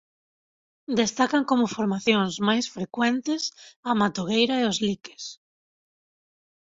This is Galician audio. Destacan como formacións máis frecuentes a matogueira e os liques.